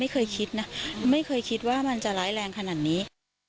ไม่เคยคิดนะไม่เคยคิดว่ามันจะร้ายแรงขนาดนี้